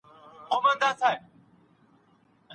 خاطرې د انسان په راتلونکي اغېز لري.